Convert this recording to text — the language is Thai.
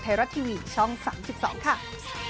อ่ารอรุ้นกันต่อไปนะครับ